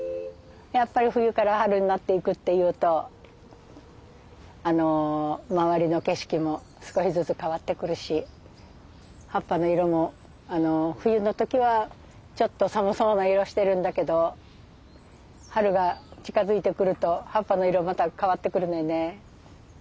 やっぱり冬から春になっていくっていうとあの周りの景色も少しずつ変わってくるし葉っぱの色も冬の時はちょっと寒そうな色してるんだけど春が近づいてくると葉っぱの色また変わってくるのよね。